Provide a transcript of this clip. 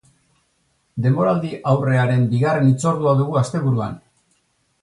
Denboraldi-aurrearen bigarren hitzordua dugu asteburuan.